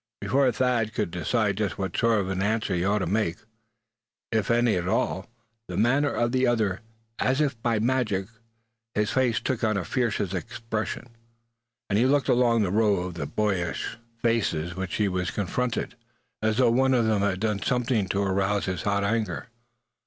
Before Thad could decide just what sort of an answer he ought to make, if any at all, the manner of the other changed as if by magic. His face took on a fierce expression, and he looked along the row of boyish faces by which he was confronted, as though one of them had done something to arouse his hot anger.